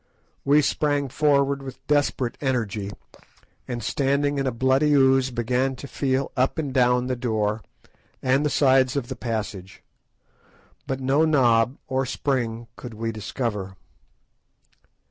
We sprang forward with desperate energy, and, standing in a bloody ooze, began to feel up and down the door and the sides of the passage. But no knob or spring could we discover.